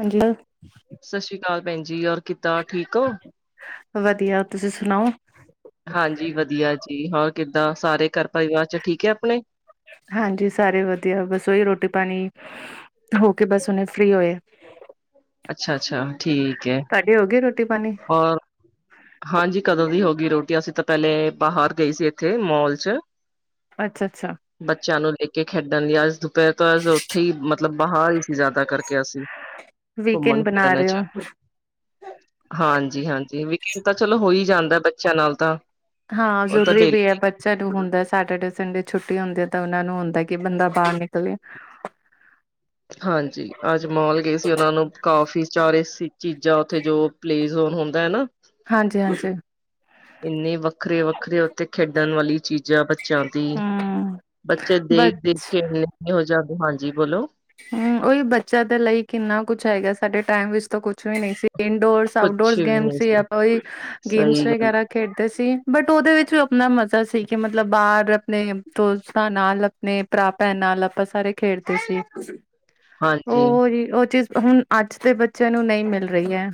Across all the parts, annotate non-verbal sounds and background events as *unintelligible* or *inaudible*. ਹਾਂਜੀ, ਸਤਿ ਸ੍ਰੀ ਅਕਾਲ ਭੈਣ ਜੀ ਔਰ ਕਿੱਦਾ ਠੀਕ ਓ। ਵਧੀਆ ਤੁਸੀਂ ਸੁਣਾਓ। ਹਾਂਜੀ, ਵਧੀਆ ਜੀ ਹੋਰ ਕਿੱਦਾਂ ਸਾਰੇ ਘਰ ਪਰਿਵਾਰ ਚ ਠੀਕ ਐ ਆਪਣੇ। ਹਾਂਜੀ ਸਾਰੇ ਵਧੀਆ ਬਸ ਉਹੀ ਰੋਟੀ ਪਾਣੀ ਹੋ ਕੇ ਬਸ ਹੁਣੇ ਫ੍ਰਰੀ ਹੋਏ। ਅੱਛਾ ਅੱਛਾ ਠੀਕ ਹੈ ਤੁਹਾਡੀ ਹੋ ਗਈ ਰੋਟੀ ਪਾਣੀ। ਔਰ ਹਾਂਜੀ, ਕਦੋਂ ਦੀ ਹੋ ਗਈ ਰੋਟੀ ਅਸੀਂ ਤਾਂ ਪਹਿਲੇ ਬਾਹਰ ਗਈ ਸੀ ਇੱਥੇ ਮੋਲ ਚ ਅੱਛਾ-ਅੱਛਾ। ਇੱਕ ਇੱਕ ਖੇਡਣ ਲਈ ਅੱਜ ਦੁਪਹਿਰ ਤੋਂ ਅੱਜ ਉੱਥੇ ਹੀ ਮਤਲਬ ਬਾਹਰ ਹੀ ਸੀ ਜ਼ਿਆਦਾ ਕਰਕੇ ਅਸੀਂ ਵੀਕਐਂਡ ਘੁੰਮਣ ਬਣਾ ਫਿਰਨ ਰਹੇ ਚ ਹੋ ਹਾਂਜੀ-ਹਾਂਜੀ। ਵਿਕੈਂਨਡ ਤਾਂ ਚਲੋ ਹੋ ਹੀ ਜਾਂਦਾ ਬੱਚਿਆਂ ਨਾਲ ਤਾਂ। ਹਾਂ, ਉਹ ਤਾਂ ਜ਼ਰੂਰੀ ਵੀ ਡੇਲੀ ਐ ਬੱਚਿਆਂ ਨੂੰ ਹੁੰਦਾ ਸੈਟਰਡੇ ਸੰਡੇ ਛੁੱਟੀ ਹੁੰਦੀ ਤਾਂ ਉਹਨਾਂ ਨੂੰ ਹੁੰਦਾ ਕਿ ਬੰਦਾ ਬਾਹਰ ਨਿਕਲੇ ਹਾਂਜੀ, ਅੱਜ ਮੋਲ ਗਏ ਸੀ ਉਹਨਾਂ ਨੂੰ ਕਾਫੀ ਸਾਰੇ ਚੀਜ਼ਾਂ ਉੱਥੇ ਜੋ ਪਲੇਸ ਹੁੰਦਾ ਨਾ। ਹਾਂਜੀ-ਹਾਂਜੀ। ਇੰਨੇ ਵੱਖਰੇ ਵੱਖਰੇ ਉੱਥੇ ਖੇਡਣ ਵਾਲੀ ਚੀਜ਼ਾਂ ਬੱਚਾ ਦੀ ਹਮ ਬੱਚੇ ਬ ਦੇਖ ਦੇਖ ਕੇ ਇਨੇ ਹੋ ਜਾਂਦੇ ਹਾਂਜੀ ਬੋਲੋ। ਹੂੰ, ਉਹੀ ਬੱਚਿਆਂ ਦੇ ਲਈ ਕਿੰਨਾ ਕੁਛ ਹੈਗਾ ਸਾਡੇ ਟਾਈਮ ਵਿੱਚ ਤਾਂ ਕੁਛ ਵੀ ਨਹੀਂ ਸੀ। ਇੰਡੋਰਸ ਕੁਛ ਆਊਟਡੋਰ ਵੀ ਗੇਮ ਨਹੀਂ ਸੀ ਆਪਾਂ ਉਈ ਸਹੀ ਗੇਮਸ ਗੱਲ ਵਗੈਰਾ ਖੇਡਦੇ ਸੀ ਬਟ ਉਹਦੇ ਵਿੱਚ ਆਪਣਾ ਮਜ਼ਾ ਸੀ ਕਿ ਮਤਲਬ ਬਾਹਰ ਆਪਣੇ ਦੋਸਤਾਂ ਨਾਲ ਆਪਣੇ ਭਰਾ ਭੈਣ ਨਾਲ ਆਪਾਂ ਸਾਰੇ ਖੇਡਦੇ ਸੀ। ਹਾਂਜੀ ਉਹ ਜੇ ਉਹ ਚੀਜ਼ ਹੁਣ ਅੱਜ ਦੇ ਬੱਚਿਆਂ ਨੂੰ ਨਹੀਂ ਮਿਲ ਰਹੀ ਐ।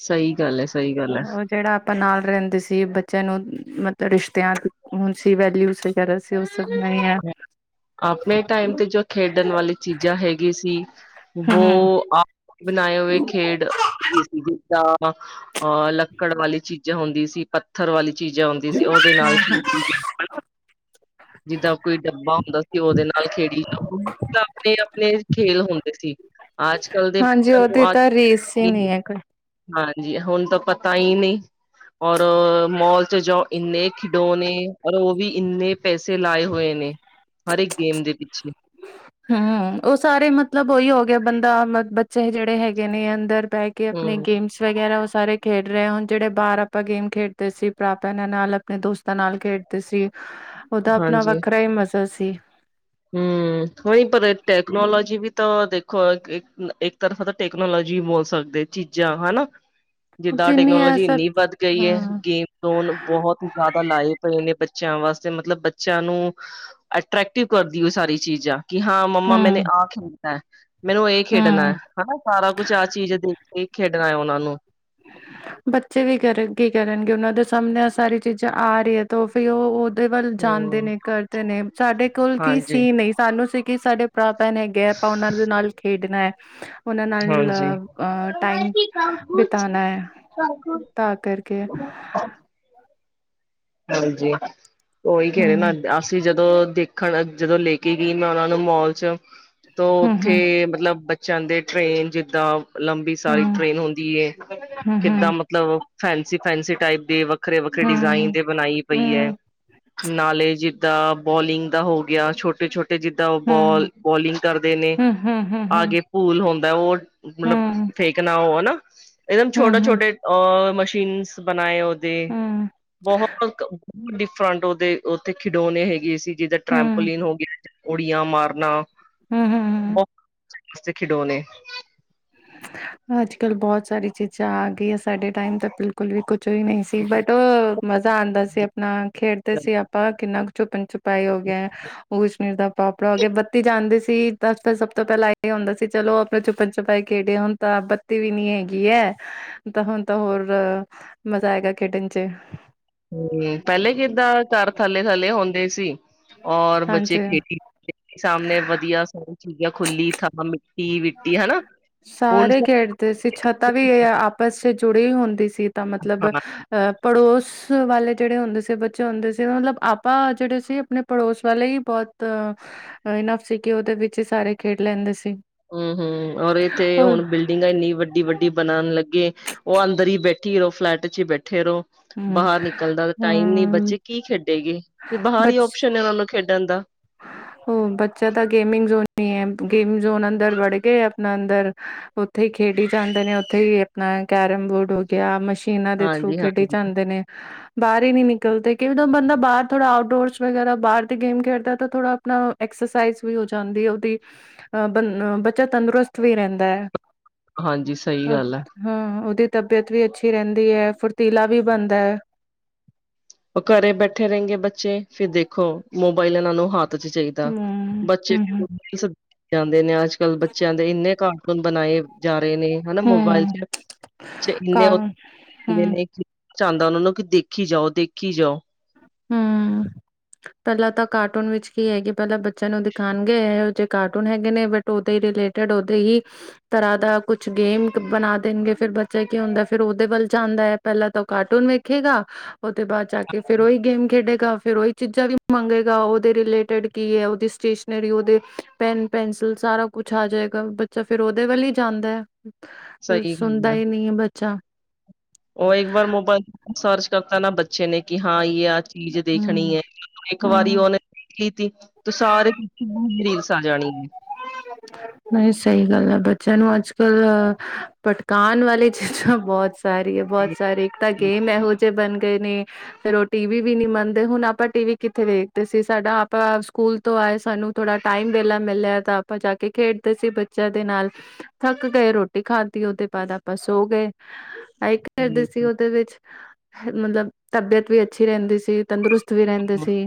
ਸਈ ਗੱਲ ਐ ਸਈ ਗੱਲ ਐ। ਜਿਹੜਾ ਆਪਾਂ ਨਾਲ ਰਹਿੰਦੇ ਸੀ ਬੱਚਿਆਂ ਨੂੰ ਮਤਲਬ ਰਿਸ਼ਤਿਆਂ ਹੁਣ ਸੀ ਵੈਲਿਊ ਵਗੈਰਾ ਸੀ। ਸਭ ਨਹੀਂ ਹੈ ਆਪਣੇ ਟਾਈਮ ਤੇ ਜੋ ਖੇਡਣ ਵਾਲੀ ਚੀਜ਼ਾਂ ਹੈਗੀ ਸੀ ਵੋ ਹਮ ਬਣਾਏ ਹੋਏ ਖੇਡ ਸੀ ਜਿੱਦਾਂ ਅਹ ਲੱਕੜ ਵਾਲੀ ਚੀਜ਼ਾਂ ਚੀਜ਼ਾਂ ਹੁੰਦੀ ਸੀ। ਪੱਥਰ ਵਾਲੀ ਚੀਜ਼ਾਂ ਹੁੰਦੀ ਸੀ, ਉਹਦੇ ਨਾਲ *unintelligible* ਜਿੱਦਾਂ ਕੋਈ ਡੱਬਾ ਹੁੰਦਾ ਸੀ ਉਹਦੇ ਨਾਲ ਖੇਡੀ ਆਪਣੇ ਆਪਣੇ ਖੇਲ ਹੁੰਦੇ ਸੀ। ਅੱਜ ਕੱਲ ਦੇ ਹਾਂਜੀ ਬੱਚਿਆਂ ਨੂੰ ਉਹਦੀ ਅੱਜ *unintelligible* ਹਾਂਜੀ, ਹੁਣ ਤਾਂ ਪਤਾ ਹੀ ਨਹੀਂ ਔਰ ਮੋਲ ਚ ਜਾਓ ਇੰਨੇ ਖਿਡੌਣੇ ਨੇ ਔਰ ਉਹ ਵੀ ਇੰਨੇ ਪੈਸੇ ਲਾਏ ਹੋਏ ਨੇ ਹਰ ਇੱਕ ਗੇਮ ਦੇ ਵਿੱਚ ਅੱਛਾ। ਹੂੰ, ਉਹ ਸਾਰੇ ਮਤਲਬ ਉਹੀ ਹੋ ਗਿਆ ਬੰਦਾ ਬੱਚੇ ਜਿਹੜੇ ਹੈਗੇ ਨੇ ਅੰਦਰ ਪੈ ਕੇ ਆਪਣੇ ਹੂੰ ਗੇਮਸ ਵਗੈਰਾ ਉਸ ਸਾਰੇ ਖੇਡ ਰਹੇ ਹੁਣ ਜਿਹੜੇ ਬਾਹਰ ਆਪਾਂ ਗੇਮ ਖੇਡਦੇ ਸੀ ਭਰਾ ਭੈਣਾਂ ਨਾਲ ਆਪਣੇ ਦੋਸਤਾਂ ਨਾਲ ਖੇਡਦੇ ਸੀ। ਉਹਦਾ ਆਪਣਾ ਹਾਂਜੀ ਵੱਖਰਾ ਹੀ ਮਜ਼ਾ ਸੀ। ਹੂੰ। ਹੂੰ, ਪਰ ਟੈਕਨੋਲੋਜੀ ਵੀ ਤਾਂ ਦੇਖੋ। ਇੱਕ ਇੱਕ ਤਰਫਾ ਤਾਂ ਟੈਕਨੋਲੋਜੀ ਬੋਲ ਸਕਦੇ ਦੇ ਚੀਜ਼ਾਂ ਹਨਾ। ਜਿੱਦਾਂ ਜਿੰਨੀ ਇਹ ਟੈਕਨੋਲੋਜੀ ਸਭ ਇੰਨੀ ਵੱਧ ਗਈ ਐ। ਹੂੰ, ਗੇਮ ਜੋਨ ਬਹੁਤ ਜਿਆਦਾ ਲਾਏ ਪਏ ਨੇ ਬੱਚਿਆਂ ਵਾਸਤੇ ਮਤਲਬ ਬੱਚਿਆਂ ਨੂੰ ਅਟਰ੍ਰੈਕਟਿਵ ਕਰਦੀ ਉਹ ਸਾਰੀ ਚੀਜ਼ਾਂ। ਕਿ ਹਾਂ ਮੰਮਾ ਮੈਨੇ ਹੂੰ, ਆਹ ਖੇਡਣਾ ਮੈਨੂੰ ਇਹ ਖੇਡਣਾ ਹੂੰ ਹਨਾ ਸਾਰਾ ਕੁਛ ਆਹ ਚੀਜ਼ ਦੇਖ! ਕੀ ਖੇਡਣਾ ਉਹਨਾਂ ਨੂੰ ਬੱਚੇ ਵੀ ਕਰ ਕੀ ਕਰਨਗੇ ਉਹਨਾਂ ਦੇ ਸਾਹਮਣੇ ਸਾਰੀ ਚੀਜ਼ਾਂ ਆ ਰਹੀ ਐ ਤੇ ਫਿਰ ਓ ਵੱਲ ਜਾਂਦੇ ਹਮ ਨੇ ਕਰਦੇ ਨੇ ਸਾਡੇ ਕੋਲ ਕੀ ਹਾਂਜੀ ਸੀ ਨਹੀਂ ਸਾਨੂੰ ਸੀ ਕਿ ਸਾਡੇ ਭਰਾ ਭੈਣ ਹੈਗੇ ਆਪਾਂ ਉਹਨਾਂ ਦੇ ਨਾਲ ਖੇਡਣਾ। ਉਹਨਾਂ ਨਾਲ ਹਾਂਜੀ ਟਾਈਮ ਬ *unintelligible* ਤਾਂ ਕਰਕੇ। ਹਾਂਜੀ, ਉਹੀ ਕਹਿ ਰਹੇ ਨਾ ਹੂੰ ਅਸੀਂ ਜਦੋਂ ਦੇਖਣ ਜਦੋਂ ਲੈ ਕੇ ਗਈ ਮੈਂ ਉਹਨਾਂ ਨੂੰ ਮੋਲ ਚ ਤਾਂ ਹੂੰ ਉੱਥੇ ਹੂੰ ਮਤਲਬ ਬੱ ਚਿਆਂ ਦੇ ਟ੍ਰੇਨ ਜਿੱਦਾਂ ਲੰਬੀ ਸਾਰੀ ਹੂੰ ਟ੍ਰੇਨ ਹੁੰਦੀ ਹੂੰ ਹੂੰ ਕਿੱਦਾਂ ਮਤਲਬ ਫੈਸੀ ਫੈਸੀ ਟਾਈਪ ਦੇ ਵੱਖਰੇ ਵੱਖਰੇ ਹੂੰ ਡਿਜ਼ਾਇਨ ਹੂੰ ਦੇ ਬਣਾਈ ਪਈ ਐ ਹੂੰ ਨਾਲੇ ਜਿ ਦਾ ਬੋਲਿੰਗ ਦਾ ਹੋ ਗਿਆ ਛੋਟੇ-ਛੋਟੇ ਤੇ ਜਿੱਦਾਂ ਉਹ ਬੋਲ ਹੂੰ ਬੋਲਿੰਗ ਕਰਦੇ ਨੇ ਹੂੰ ਹੂੰ ਹੂੰ ਹੂੰ ਆਗੇ ਪੁੱਲ ਹੁੰਦਾ ਓ। ਮਤਲਬ ਫੇਕਣਾ ਹੋ ਹਨਾ ਇੱਕਦਮ ਛੋਟੇ ਹੂੰ ਛੋਟੇ ਆ ਮਸ਼ੀਨਸ ਬਣਾਏ ਦੇ ਬਹੁਤ ਬਹੁਤ ਡਿਫਰੰਟ ਉਹਦੇ ਉੱਥੇ ਖਿਡੌਣੇ ਹੈਗੇ ਸੀ। ਜਿੱਦਰ ਹੂੰ ਟਰੈਂਪਲੀਨ ਹੋ ਗਿਆ ਉੜੀਆਂ ਮਾਰਨਾ। ਹੂੰ-ਹੂੰ, ਬਹੁਤ ਖਿਡੌਣੇ। ਅੱਜ ਕੱਲ ਬਹੁਤ ਸਾਰੀ ਚੀਜ਼ਾਂ ਆ ਗਈਆਂ ਸਾਡੇ ਟਾਈਮ ਤਾਂ ਬਿਲਕੁਲ ਵੀ ਕੁਛ ਹੀ ਨਹੀਂ ਸੀ। ਬਟ, ਮਜ਼ਾ ਆਉਂਦਾ ਸੀ। ਆਪਣਾ ਖੇਡਦੇ ਸੀ। ਆਪਾਂ ਕਿੰਨਾ ਕੁ ਛੁਪਨ- ਛੁਪਾਈ ਹੋ ਗਿਆ। ਉਚ-ਨੀਚ ਦਾ ਪਾਪੜਾ ਹੋ ਗਿਆ। ਬੱਤੀ ਜਾਣਦੇ ਸੀ ਤਾਂ ਸਭ ਤੋਂ ਪਹਿਲਾਂ ਇਹ ਹੁੰਦਾ ਸੀ। ਚਲੋ, ਆਪਣੇ ਚੁੱਪ ਛਪਾਈ ਕਿਹੜੇ ਹੁਣ ਤਾਂ ਬੱਤੀ ਵੀ ਨੀ ਹੈਗੀ ਹੈ। ਤਾਂ ਹੁਣ, ਤਾਂ ਹੋਰ ਮਜ਼ਾ ਹੈਗਾ। ਕਿਟਚ ਹਮ ਪਹਿਲੇ ਕਿੱਦਾਂ ਚਾਰ ਥੱਲੇ- ਥੱਲੇ ਹੁੰਦੇ ਸੀ। ਔਰ ਬੱਚੇ ਹਾਂਜੀ। ਖੇਡੀ ਸਾਹਮਣੇ ਵਧੀਆ ਸ ਚੀਜ਼ਾਂ ਖੁੱਲੀ ਥਾਂ ਮਿੱਟੀ-ਵਿੱਟੀ ਹਨਾ ਹੁਣ ਸਾਰੇ ਖੇਡਦੇ ਸੀ। ਛਤਾ ਵੀ ਇਹ ਆਪਸ ਚ ਜੁੜੀ ਹੁੰਦੀ ਸੀ। ਤਾਂ ਮਤਲਬ ਹਾਂ ਅਹ ਪੜੋਸ ਉਸ ਵਾਲੇ ਜਿਹੜੇ ਹੁੰਦੇ ਸੀ, ਬੱਚੇ ਹੁੰਦੇ ਸੀ। ਮਤਲਬ ਆਪਾਂ ਜਿਹੜੇ ਸੀ, ਆਪਣੇ ਪੜੋਸ ਵਾਲੇ ਹੀ ਬਹੁਤ ਇਨਾਫ਼ ਸੀ ਕਿ ਉਹਦੇ ਵਿੱਚ ਹੀ ਸਾਰੇ ਖੇਡ ਲੈਂਦੇ ਸੀ। ਹਮ- ਹਮ, ਔਰ ਇੱਥੇ ਹੋਰ ਹੁਣ ਬਿਲਡਿੰਗਾਂ ਇੰਨੀ ਵੱਡੀ- ਵੱਡੀ ਬਣਾਉਣ ਲੱਗੇ। ਉਹ ਅੰਦਰ ਹੀ ਬੈਠੀ ਉਹ ਫਲੈਟ ਚ ਹੀ ਬੈਠੀ। ਠੇਹਰੋ। ਹੂੰ ਬਾਹਰ ਨਿਕਲਦਾ ਟਾਈਮ ਨੀ ਹੂੰ ਬੱਚੇ ਕੀ ਖੇਡੇ ਗੇ। ਫ ਬਾਹਰ ਹੀ ਬਚ ਓਪਸ਼ਨ ਨੇ ਉਹਨਾਂ ਨੂੰ ਖੇਡ ਕਹਿੰਦਾ ਦਾ। ਉਹ ਬੱਚਾ ਤਾਂ ਗੇਮਿੰਗ ਜ਼ੋਨ ਹੀ ਹੈ। ਗੇਮਿੰਗ ਜ਼ੋਨ ਅੰਦਰ ਵੜ ਕੇ ਆਪਣਾ ਅੰਦਰ ਉੱਥੇ ਖੇਡੀ ਜਾਂਦੇ ਨੇ ਉੱਥੇ ਹੀ ਆਪਣਾ ਕੈਰਮ ਬੋਰਡ ਹੋ ਗਿਆ। ਮਛ ਇਹਨਾਂ ਦੇ ਥਰੂ ਖੇਡ ਹਾਂਜੀ-ਹਾਂਜੀ, ਜਾਂਦੇ ਨੇ। ਹਨ। ਬਾਹਰ ਹੀ ਨਲਦੇ। ਕਈਂ ਕੁ ਬਾਹਰ ਥੋੜਾ ਆਊਟਡੋਰਸ ਵਗੈਰਾ ਬਾਹਰ ਤੇ ਗੇਮ ਖੇਡਦਾ। ਥੋੜਾ ਆਪਣਾ ਐਕਸਰਸਾਈਜ਼ ਵੀ ਹੋ ਜਾਂਦੀ। ਉਹਦੀ ਬ ਬੱਚਾ ਤੰਦਰੁਸਤ ਵੀ ਰਹਿੰਦਾ ਹੈ। ਹਾਂਜੀ ਹਾਂਜੀ ਸਹੀ ਗੱਲ ਐ। ਹਾਂ, ਉਹਦੇ ਤਬੀਅਤ ਵੀ ਅੱਛੀ ਰਹਿੰਦੀ ਹੈ। ਫੁਰਤੀਲਾ ਵੀ ਬਣਦਾ ਹੈ। ਉਹ ਘਰੇ ਬੈਠੇ ਰਹਿੰਗੇ ਬੱਚੇ। ਫਿਰ ਦੇਖੋ, ਮੋਬਾਇਲ ਇਹਨਾਂ ਨੂੰ ਹੱਥ ਰਕ ਚ ਚਾਹੀਦਾ। ਹਮ ਬੱਚੇ ਹਮ ਹਮ ਸ ਜਾਂਦੇ ਨੇ ਅੱਜ ਕੱਲ੍ਹ ਬੱਚਿਆਂ ਦੇ ਇੰਨੇ ਕ ਬਣਾਏ। ਜਾ ਰਹੇ ਨੇ ਹਨਾ। ਮੋਬਾਇਲ ਹਮ ਚ ਇੰਨੇਦੇ ਕਾ ਨੇ ਹਾਂਜੀ ਹਮ ਐਵੇਂ ਹੀ ਹੁੰਦਾ। ਚਾਹਦਾ ਉਹਨਾਂ ਨੂੰ ਕਿ ਦੇਖੀ ਜਾਓ, ਦੇਖੀ ਜਾਓ। ਹਮ। ਪਹਿਲਾਂ ਤਾਂ ਕਾਰਟੂਨ ਵਿੱਚ ਕੀ ਹੈਗੀ। ਪਹਿਲਾਂ ਬੱਚਿਆਂ ਨੂੰ ਦਿਖਾਉਣਗੇ ਇਹ ਜਿ ਕਾਰਟੂਨ ਹੈਗੇ ਨੇ। ਬਟ, ਉਹਦੇ ਹੀ ਰਿਲੇਟਡ ਉਹਦੇ ਹੀ ਤਰ੍ਹਾਂ ਦਾ ਕੁਛ ਗੇਮ ਬਣਾ ਦੇਣਗੇ। ਫਿਰ ਬੱਚਾ ਕੀ ਹੁੰਦਾ ਫੇਰ ਉਹਦੇ ਵੱਲ ਜਾਂਦਾ ਹੈ। ਪਹਿਲਾਂ ਤਾਂ ਉਹ ਕਾਰਟੂਨ ਵੇਖੇਗਾ। ਉਹਦੇ ਬਾਅਦ ਚ ਫੋਨ ਚੱਕੂਗਾ। ਫੇਰ ਉਹੀ ਗੇਮ ਖੇਡੇ ਗਾ। ਫੇਰ ਉਹੀ ਚੀਜ਼ਾਂ ਵੀ ਮੰਗੇਗਾ। ਉਹਦੇ ਰਿਲੇਟਿਡ ਕੀ ਹੈ। ਉਹਦੀ ਸਟੇਸ਼ਨਰੀ ਉਹਦੇ ਪੈਨ, ਪੈਨਸਿਲ ਸਾਰਾ ਕੁਛ ਆ ਜਾਏਗਾ। ਬੱਚਾ ਫੇਿਰ ਉਹਦੇ ਵੱਲ ਹੀ ਜਾਂਦਾ ਹੈ। ਸਹੀ ਹੀ ਸੁਣਦਾ ਹੁੰਦਾ। ਨਹੀਂ ਹੈ ਬੱਚਾ ਉਹ ਇੱਕ ਵਾਰ ਮੋਬਾਈਲ ਸਰਚ ਕਰਤਾ ਨਾ ਬੱਚੇ ਨੇ ਕਿ ਹਾਂ। ਯ ਅੱਜ ਚੀਜ਼ ਦੇਖਣੀ ਹਮ ਹੈ। ਇੱਕ ਵਾਰੀ ਹਮ ਉਹਨੇ ਕੀਤੀ ਤੂੰ ਸਾਰੇ ਤਾਂ ਜਾਣੀ ਹੈ। ਨਹੀਂ ਸਹੀ ਗੱਲ ਹੈ। ਬੱਚਿਆਂ ਨੂੰ ਅੱਜ ਕੱਲ ਪਟਕਾਉਣ ਵਾਲੀ ਚੀਜ਼ਾਂ ਬਹੁਤ ਸਾਰੀ ਹੈ। ਬਹੁਤ ਸਾਰੇ ਇੱਕ ਤਾਂ ਗੇਮ ਇਹੋ ਜਿਹੇ ਬਣ ਗ ਗਏ ਨੇ। ਫੇਰ ਉਹ ਟੀ ਵੀ ਵੀ ਨੀ ਮੰਨਦੇ ਹੁਣ ਆਪਾਂ ਟੀ ਵੀ ਕਿੱਥੇ ਵੇਖਦੇ ਸੀ। ਸਾਡਾ ਆਪਾਂ ਸਕੂਲ ਤੋਂ ਸਾਨੂੰ ਥੋੜਾ ਟਾਈਮ ਦੇ ਲ ਮਿਲਿਆ ਤਾਂ ਆਪਾਂ ਜਾ ਕੇ ਖੇਡਦੇ ਸੀ ਬੱਚਿਆਂ ਦੇ ਨਾਲ, ਥੱਕ ਗਏ ਰੋਟੀ ਖਾਤੀ ਉਹਦੇ ਬਾਅਦ ਆਪਾਂ ਸੋ ਗਏ। ਹਰ ਇਕ ਕਰਦੇ ਸੀ। ਉਹਦੇ ਵਿੱਚ ਮਤਲਬ ਤਬੀਅਤ ਵੀ ਅੱਛੀ ਰਹਿੰਦੀ ਸੀ। ਤੰਦਰੁਸਤ ਵੀ ਰਹਿੰਦੇ ਸੀ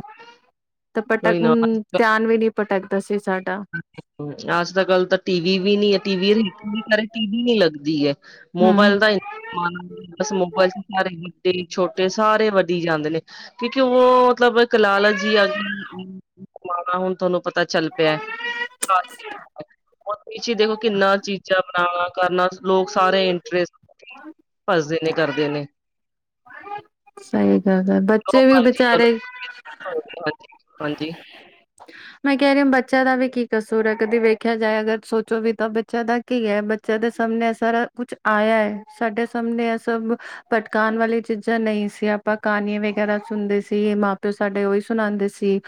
ਤਾਂ ਕੋਈ ਨਾ ਪਟਕਮ ਧਿਆਨ ਵੀ ਨਹੀਂੀ ਪਟਕਦਾ ਸੀ। ਸਾਡਾ ਅੱਜ ਤਾਂ ਗੱਲ ਤਾਂ ਟੀ ਵੀ ਵੀ ਨੀ ਹੈ। ਟੀ ਟੀ ਵੀ ਨੀ ਲੱਗਦੀ ਹੈ। ਹਮ ਮੋਬਾਇਲ ਦਾ ਇੰ ਬ ਮੋਬਾਇਲ ਚ ਸਾਰੇ ਛੋਟੇ ਸਾਰੇ ਵੱਢਡੀ ਜਾਂਦੇ ਨੇ ਕਿਉਂਕਿ ਉਹ ਮਤਲਬ ਇੱਕ ਲਾਲਾ ਜੀ ਆ ਗਈ। ਹੁਣ ਤੁਹਾਨੂੰ ਪਤਾ ਚੱਲ ਪਿਆ। *inaudible* ਪਿੱਛੇ ਦੇਖੋ, ਕਿੰਨਾ ਚੀਜ਼ਾਂ ਬਣਾਣਾ ਕਰਨਾ, ਲੋਕ ਸਾਰੇ ਇੰਟਰਸਟ ਭਜਦੇ ਨੇ, ਕਰਦੇ ਨੇ। ਸਈ ਗੱਲ ਏ, ਜੋ ਬੱਚੇ ਵੀ ਮਰਜੀ ਕਰੋ ਬਿਚਾਰੇ ਹਾਂਜੀ ਹਾਂਜੀ। ਮੈਂ ਕਹਿ ਰੀ ਆ ਬੱਚਿਆਂ ਦਾ ਵੀ ਕੀ ਕਸੂਰ ਹੈ? ਕਦੀ ਵੇਖਿਆ ਜਾਏ, ਅਗਰ ਸੋਚੋ ਵੀ ਤਾਂ ਬੱਚਿਆਂ ਦਾ ਕੀ ਹੈ? ਬੱਚਾ ਦੇ ਸਾਹਮਣੇ ਸਾਰਾ ਕੁਛ ਆਇਆ ਹੈ। ਸਾਡੇ ਸਾਹਮਣੇ ਏਹ ਸਭ ਪਟਕਾਣ ਵਾਲੀਆਂ ਚੀਜ਼ਾਂ ਨਈ ਸ ਸੀ, ਆਪਾਂ ਕਾਣੀਆਂ ਵਗੈਰਾ ਸੁਣਦੇ ਸੀ। ਮਾਂ ਪਿਓ ਸਾਡੇ ਉਹੀ ਸੁਣਾਉਂਦੇ ਸੀ।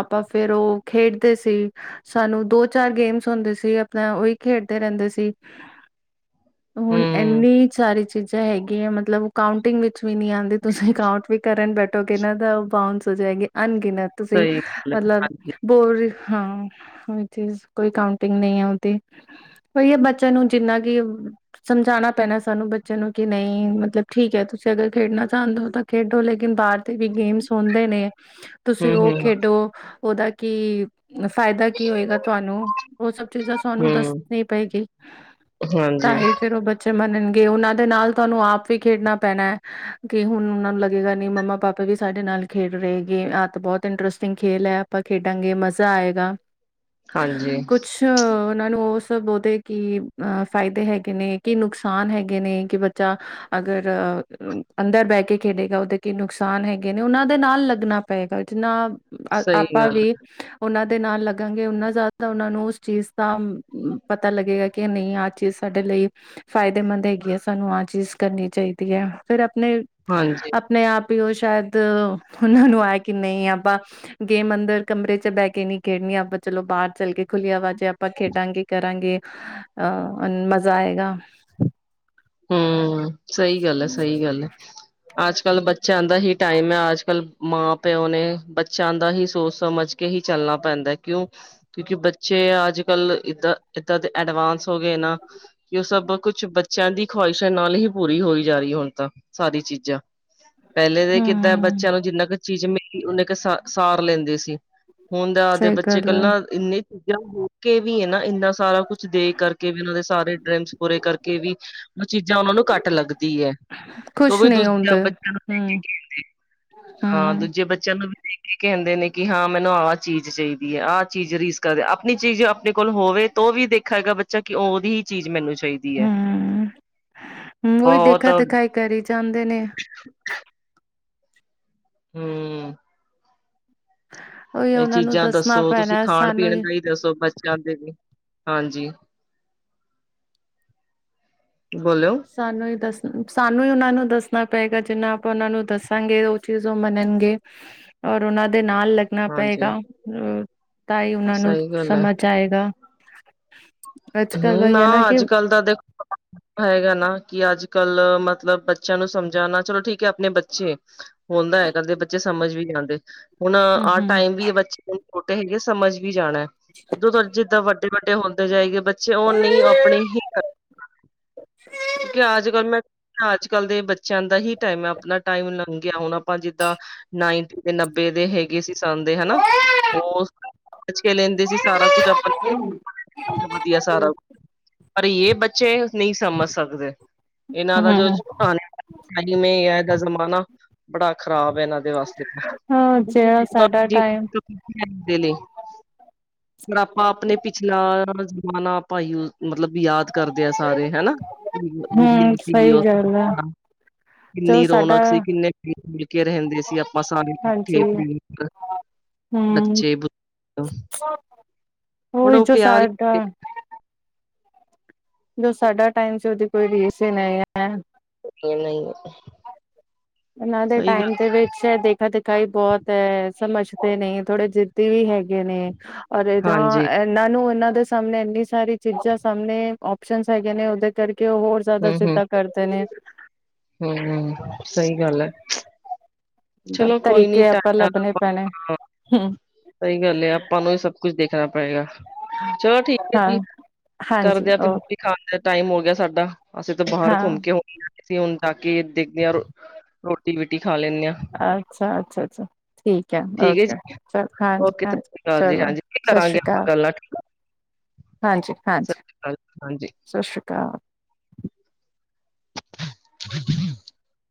ਆਪਾਂ ਫੇਰ ਉਹ ਖੇਡਦੇ ਸੀ, ਸਾਨੂੰ ਦੋ ਚਾਰ ਗੇਮਸ ਹੁੰਦੇ ਸੀ, ਆਪਣਾ ਉਹੀ ਖੇਡਦੇ ਰਹਿੰਦੇ ਸੀ। *inaudible* ਹੁਣ ਐਨੀ ਸਾਰੀ ਚੀਜ਼ਾਂ ਹੈਗੀਆਂ ਮਤਲਬ, ਕਾਊਂਟਿੰਗ ਵਿੱਚ ਵੀ ਨਹੀਂ ਆਉਂਦੀ, ਤੁਸੀਂ ਕਾਊਂਟ ਵੀ ਕਰਨ ਬੈ ਠੋਗੇ ਨਾ ਦਾ ਬਾਊਂਸ ਹੋ ਜਾਏਗੇ, ਅਨਗਿਨਤ। ਤੁਸੀਂ ਸਹੀ ਗੱਲ ਹੈ ਮਤਲਬ ਹਾਂਜੀ ਔਰੀ ਹਾਂ, ਹਰ ਚੀਜ਼ ਕੋਈ ਕਾਉਂਟਿੰਗ ਨਈ ਔ ਤੇ। ਉਹਉ ਬੱਚਿਆਂ ਨੂੰ ਜਿੰਨਾ ਮਤਬ ਕਿ ਉ ਸਮਝਾਉਣਾ ਪੈਣਾ ਸਾਨੂੰ ਬੱਚੇ ਨੂੰ, ਕਿ ਨਹੀਂ ਮਤਲਬ ਠੀਕ ਹੈ, ਤੁਸੀਂ ਅਗਰ ਖੇਡਣਾ ਚਾਹੁੰਦੇ ਹੋ ਤਾਂ ਖੇਡੋ, ਲੇਕਿਨ ਬਾਹਰ ਤੇ ਵੀ ਗੇਮਸ ਹੁੰਦੇ ਨੇ। ਤੁਸੀਂ ਹੂੰ ਉਹ ਹੂੰ ਖੇਡੋ, ਉਹਦਾ ਕੀ ਫਾਇਦਾ ਕੀ ਹੋਏਗਾ ਤੁਹਾਨੂੰ? ਉਹ ਸਭ ਚੀਜ਼ਾਂ ਸਾਨੂੰ ਹੂੰ ਦੱਸਣੀ ਪਏਗੀ। ਤਾਂ ਹਾਂਜੀ ਏਹ ਫੇਰ ਉਹ ਬੱਚੇ ਮੰਨਣ ਗੇ, ਉਹਨਾਂ ਦੇ ਨਾਲ ਤੁਹਾਨੂੰ ਆਪ ਵੀ ਖੇਡਣਾ ਪੈਣਾ ਏ, ਕਿ ਹੁਣ ਉਹਨਾਂ ਨੂੰ ਲੱਗੇਗਾ ਨੀ, ਮੰਮਾ ਪਾਪਾ ਵੀ ਸਾਡੇ ਨਾਲ ਨਾਲ ਖੇਡ ਰਹੇ ਹੇਗੇ। ਆਹ ਤਾਂ ਬਹੁਤ ਇੰਟਰਸਟਿੰਗ ਖੇਲ ਹੈ ਆਪਾਂ ਖੇਡਾਂਗੇ, ਮਜ਼ਾ ਆਏਗਾ। ਹਾਂਜੀ ਕੁਛ ਉਹਨਾਂ ਨੂੰ ਉਸ ਸਤਬ ਉਹਦੇ ਕੀ ਅਹ ਫਾਇਦੇ ਹੈਗੇ ਨੇ, ਕੀ ਨੁਕਸਾਨ ਹੈਗੇ ਨੇ? ਕਿ ਬੱਚਾ ਅਗਰ ਅ ਅੰਦਰ ਬਹਿ ਕੇ ਖੇਡੇਗਾ, ਉਹਦੇ ਕੀ ਨੁਕਸਾਨ ਹੈਗੇ ਨੇ, ਉਹਨਾਂ ਦੇ ਨਾਲ ਲੱਗਣਾ ਪਏਗਾ। ਜਿੰਨਾ ਅ ਸਹੀ ਆਪਾਂ ਗੱਲ ਵੀ, ਉਹਨਾਂ ਦੇ ਨਾਲ ਲੱਗਾਂਗੇ, ਔਨਾ ਜ਼ਿਆਦਾ ਉਹਨਾਂ ਨੂੰ ਉਸ ਚੀਜ਼ ਦਾ ਪਤਾ ਲੱਗੇਗਾ ਕੇ ਨਈ, ਆਹ ਚੀਜ਼ ਸਾਡੇ ਲਈ ਫਾਇਦੇਮੰਦ ਹੈਗੀ ਹੈ, ਸਾਨੂੰ ਆਹ ਚੀਜ਼ ਕਰਨੀ ਚਾਈਦੀ ਹੈ। ਫਿਰ ਆਪਣੇ, ਹਾਂਜੀ ਆਪਣੇ ਆਪ ਹੀ ਔਹ ਸ਼ਾਇਦ, ਉਹਨਾਂ ਨੂੰ ਆਇਆ ਕਿ ਨਈ, ਆਪਾਂ ਗੇਮ ਅੰਦਰ, ਕਮਰੇ ਚ ਬਹਿ ਕੇ ਨਈ ਖੇਡਣੀ, ਆਪਾਂ ਚਲੋ ਬਾਹਰ ਚੱਲ ਕੇ, ਖੁੱਲੀ ਹਵਾ ਚ ਆਪਾਂ ਖੇਡਾਂਗੇ, ਕਰਾਂਗੇ। ਅਹ ਮਜ਼ਾ ਆਏਗਾ। ਹੂੰ, ਸਈ ਗੱਲ ਹੈ, ਸਈ ਗੱਲ ਹੈ। ਅੱਜ ਕੱਲ੍ਹ ਬੱਚਿਆਂ ਦਾ ਹੀ ਟਾਈਮ ਹੈ। ਅੱਜ ਕੱਲ ਮਾਂ ਪਿਓ ਨੇ ਬੱਚਿਆਂ ਦਾ ਹੀ ਸੋਚ ਸਮਝ ਕੇ ਹੀ ਚੱਲਣਾ ਪੈਂਦਾ ਏ, ਕਿਉਂ? ਕਿਉਂਕਿ ਬੱਚੇ ਅੱਜ ਕੱਲ ਇਏਦਾਂ ਇਏਦਾਂ ਦੇ ਐਡਵਾਂਸ ਹੋ ਗਏ ਨਾ, ਕਿ ਉਹ ਸਭ ਕੁਛ ਬੱਚਿਆਂ ਦੀ ਖਵਾਹਿਸ਼ਾਂ ਨਾਲ ਹੀ ਪੂਰੀ ਹੋਈ ਜਾ ਰਹੀ ਹੁਣ ਤਾਂ, ਸਾਰੀ ਚੀਜ਼ਾਂ। ਪਹਿਲੇ ਦੇ ਕਿਦਾਂ ਏ? ਹਮ ਬੱਚਿਆਂ ਨੂੰ ਜਿੰਨਾ ਕੁ ਚੀਜ਼ ਮਿਲੀ, ਓਨਨਾ ਕੁ ਸਾ ਸਾਰ ਲੈਂਦੇ ਸੀ। ਹੁਣ ਦਾ ਆਪ ਦੇ ਸਹੀ ਬਚੇ ਗੱਲ ਕਲ੍ਹ ਆ ਨਾ ਇੰਨੀ ਹੋ ਕੇ ਵੀ ਏ ਨਾ, ਇੰਨਾ ਸਾਰਾ ਕੁਛ ਦੇ ਕਰਕੇ ਵੀ, ਇਹਨਾਂ ਦੇ ਸਾਰੇ ਡਰੀਮਸ ਪੂਰੇ ਕਰਕੇ ਵੀ ਉਹ ਚੀਜ਼ਾਂ ਉਹਨਾਂ ਨੂੰ ਘੱਟ ਲੱਗਦੀ ਏ। ਤੋਂ ਖੁਸ਼ ਵੀ ਨਹੀਂ ਦੂਜਿਆ ਹੁੰਦੇ ਬੱਚਿਆਂ ਨੂੰ ਦੇ ਕੇ ਹਮ ਖੇਲਦੇ। ਹਾਂ ਹਮ ਦੂਜੇ ਬੱਚਿਆਂ ਨੂੰ ਵੀ ਦੇਖ ਕੇ ਕਹਿੰਦੇ ਨੇ ਕਿ ਹਾਂ ਮੈਨੂੰ ਆਹ ਚੀਜ਼ ਚਾਹੀਦੀ ਏ। ਆਹ ਚੀਜ਼ ਰੀਸ ਕਰ, ਆਪਣੀ ਚੀਜ਼ ਆਪਣੇ ਕੋਲ ਹੋਵੇ ਤੋਂ ਵੀ ਦੇਖਾ ਗਾ ਬੱਚਾ, ਕਿ ਉਹਦੀ ਹੀ ਚੀਜ਼ ਮੈਨੂੰ ਚਾਹੀਦੀ ਹੈ ਹੂੰ। ਹੂੰ, ਉਹੀ ਬਹੁਤ ਦੇਖਾ ਦਿਖਾਈ ਕਰੀ ਜਾਂਦੇ ਨੇ। ਹੂੰ। ਉਹੀ ਏਹ ਉਹਨਾਂ ਨੂੰ ਚੀਜ਼ਾਂ ਦੱਸਣਾ ਦੱਸੋ? ਤੁਸੀਂ ਪੈਣਾ ਖਾਣ ਸਾਨੂੰ ਪੀਣ ਦਾ ਹੀ ਦੱਸੋ ਬੱਚਿਆਂ ਦੇ ਲਈ? ਹਾਂਜੀ। ਬੋਲੋ ਸਾਨੂੰ ਹੀ ਦੱਸ ਸਾਨੂੰ ਈ ਉਹਨਾਂ ਨੂੰ ਦੱਸਣਾ ਪਏਗਾ, ਜਿੰਨਾ ਆਪਾਂ ਉਹਨਾਂ ਨੂੰ ਦੱਸਾਂਗੇ, ਉਹ ਚੀਜ਼ ਉਹ ਮੰਨਣਗੇ। ਔਰ ਉਹਨਾਂ ਦੇ ਨਾਲ ਲੱਗਣਾ ਹਾਂਜੀ ਪਏਗਾ। ਤਾਂ ਹੀ ਉਹਨਾਂ ਨੂੰ ਸਹੀ ਗੱਲ ਹੈ ਸਮਝ ਆਏਗਾ। *inaudible* ਅੱਜ ਕੱਲ ਹੂੰ, ਉਹੀ ਹੈ ਨਾ ਕਿ ਅੱਜ ਕੱਲ ਦਾ ਦੇਖੋ *unintelligible* ਹੈਗਾ ਨਾ। ਕਿ ਅੱਜ ਕੱਲ ਮਤਲਬ ਬੱਚਿਆਂ ਨੂੰ ਸਮਝਾਣਾ ਚਲੋ ਠੀਕ ਐ, ਆਪਣੇ ਬੱਚੇ ਹੁੰਦਾ ਕਦੇ ਬੱਚੇ ਸਮਝ ਸਮਝ ਵੀ ਆਂਦੇ ਹੁਣ ਆਹ ਹਮ ਟਾਈਮ ਵੀ ਬੱਚੇ ਛੋਟੇ ਹੈਗੇ ਸਮਝ ਵੀ ਜਾਣਾ ਜੇ ਜਿੱਦਾਂ ਵੱ ਡੇ ਹੁੰਦੇ ਜਾਈ ਗਏ ਉਹ ਨੀ ਆਪਣੇ ਹੀ ਕਿਉਂਕਿ ਅੱਜ ਕੱਲ ਮੈਂ ਅੱਜ ਕੱਲ੍ਹ ਦੇ ਬੱਚਿਆਂ ਦਾ ਹੀ ਟਾਈਮ ਆਪਣਾ ਟਾਈਮ ਲੰਘਿਆ ਹੁਣ ਆਪਾਂ ਜਿੱਦਾਂ ਨਾਈਨਟੀ ਤੇ ਨੱਬੇ ਦੇ ਹੈਗੇ ਸੀ *unintelligible* ਹਨਾ ਉਹ ਪੁੱਛ ਕੇ ਲੈਂਦੇ ਸੀ ਸਾਰਾ ਕੁਛ ਆਪਣੇ *inaudible* ਸਾਰਾ ਪਰ ਜੇ ਬੱਚੇ ਨਹੀਂ ਸਮਝ ਸਕਦੇ ਇਹਨਾਂ ਹਮ ਦਾ ਜੋ ਹਮ *unintelligible* ਇਹ ਦਾ ਜ਼ਮਾਨਾ ਬੜਾ ਖ਼ਰਾਬ ਐ ਇਹਨਾਂ ਦੇ ਵਾਸਤੇ ਤਾਂ ਹਾਂ ਜਿਹੜਾ ਸਾਡਾ ਟਾਈਮ *unintelligible* ਲਈ ਪਰ ਆਪਾਂ ਆਪਣੇ ਪਿਛਲਾ ਜ਼ਮਾਨਾ ਆਪਾਂ ਯੂ ਮਤਲਬ ਵੀ ਯਾਦ ਕਰਦੇ ਆ ਸਾਰੇ ਹਨਾ ਹਮ ਸਹੀ ਗੱਲ ਆ *unintelligible* ਜੋ ਕਿੰਨੀ ਸਾਡਾ ਰੌਣਕ ਸੀ ਕਿੰਨੇ ਮਿਲ ਕੇ ਰਹਿੰਦੇ ਸੀ ਆਪਾਂ ਸਾਰੇ ਹਾਂਜੀ ਇਕਠੇ ਪ੍ਰੀਤ ਹਮ ਬੱਚੇ ਹੁਣ ਉਹੀ ਓ ਜੋ ਪਿਆਰ ਹੀ ਨੀ ਸਾਡਾ ਰਿਹਾ। ਜੋ ਸਾਡਾ ਟਾਈਮ ਸੀ। ਉਹਦੀ ਕੋਈ ਰੀਸ ਨਹੀਂ ਐ ਇਹ ਨਹੀਂ ਇਹਨਾਂ ਦੇ ਸਹੀ ਟਾਈਮ ਗੱਲ ਦੇ ਵਿੱਚ ਦੇਖਾ ਦੇ ਖੀ ਬਹੁਤ ਸਮਝਦੇ ਨਹੀਂ ਥੋੜੇ ਜਿੱਦੀ ਵੀ ਹੈਗੇ ਨੇ ਔਰ ਇਹਦਾਂ ਹਾਂਜੀ ਇਹਨਾਂ ਨੂੰ ਇਹਨਾਂ ਉਹਦੇ ਸਾਹਮਣੇ ਇੰਨੀ ਸਾਰੀ ਚੀਜ਼ਾਂ ਸਾਹਮਣੇ ਓਪਸ਼ਨਜ ਹੈਗੀਆਂ ਨੇ ਉਹਦੇ ਕਰਕੇ ਕਿ ਓ ਹੋਰ ਜ਼ਿਆਦਾ ਹੂੰ ਹੂੰ ਜਿੱਦਾਂ ਕਰਦੇ ਨੇ ਹੂੰ, ਸਹੀ ਗੱਲ ਐ ਚਲੋ ਕੋਈ ਨੀ ਤਰੀਕੇ ਆਪਾਂ ਲੱਭਣੇ ਪੈਣੇ ਹੂੰ ਸਹੀ ਗੱਲ ਐ ਆਪਾਂ ਨੂੰ ਇਹ ਸਭ ਕੁਛ ਦੇਖ ਦੇਖਣਾ ਪਏਗਾ ਚਲੋ ਠੀਕ ਐ ਹਾਂ ਜੀ ਹਾਂਜੀ ਕਰਦਿਆਂ ਫਿਰ ਓ ਰੋਟੀ ਖਾਣ ਦਾ ਟਾਈਮ ਹੋ ਸਾਡਾ ਅਸੀਂ ਤਾਂ ਬਾਹਰ ਹਾਂ ਘੁੰਮ ਕੇ *unintelligible* ਅਸੀਂ ਹੁਣ ਜਾ ਕੇ ਦੇਖਦੇ ਆ, ਰੋਟੀ ਵੀਟੀ ਖਾ ਲੈਣੇ ਆ ਅੱਛਾ-ਅੱਛਾ, ਅੱਛਾ ਠੀਕ ਐ ਲ, ਠੀਕ ਹੈ ਜੀ ਓਕੇ ਚਲ ਓਕੇ ਸਤਿ ਹਾਂਜੀ-ਹਾਂਜੀ ਸ਼੍ਰੀ ਅਕਾਲ ਜੀ ਚਲੋ ਹਾਂਜੀ ਸਤਿ ਕਰਾਂਗੇ ਸ਼੍ਰੀ ਆਪਾਂ ਅਕਾਲ ਗੱਲਾਂ ਸਤਿ ਹਾਂਜੀ-ਹਾਂਜੀ, ਸ਼੍ਰੀ ਅਕਾਲ ਹਾਂਜੀ ਸਤਿ ਸ੍ਰੀ ਅਕਾਲ *unintelligible*